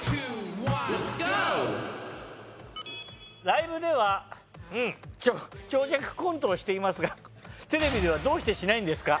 ライブでは長尺コントをしていますがテレビではどうしてしないんですか？